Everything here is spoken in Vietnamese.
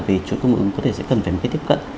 về chỗ công ứng có thể sẽ cần phải tiếp cận